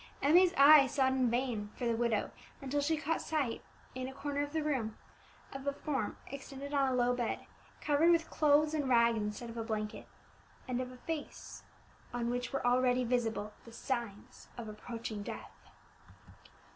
Emmie's eye sought in vain for the widow, until she caught sight, in a corner of the room, of a form extended on a low bed, covered with clothes and rags instead of a blanket, and of a face on which were already visible the signs of approaching death.